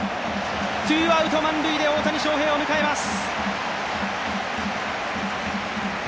ツーアウト満塁で大谷翔平を迎えます。